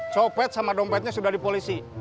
cokpet sama dompetnya sudah dipolisi